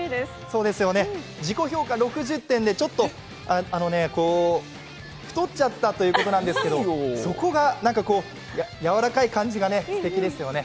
自己評価６０点でちょっと太っちゃったということなんですけどそこがやわらかい感じがすてきですよね。